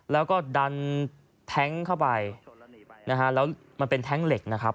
แล้วก็ดันแท้งเข้าไปนะฮะแล้วมันเป็นแท้งเหล็กนะครับ